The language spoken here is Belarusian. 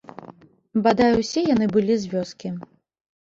Бадай усе яны былі з вёскі.